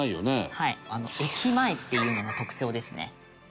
駅前っていうのが特徴ですね。